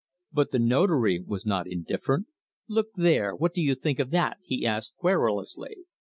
But the Notary was not indifferent. "Look there, what do you think of that?" he asked querulously.